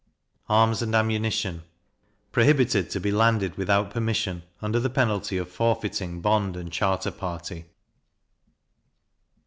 Arms and Ammunition prohibited to be landed without permission, under the penalty of forfeiting bond and charter party.